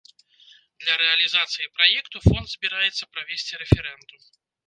Для рэалізацыі праекту фонд збіраецца правесці рэферэндум.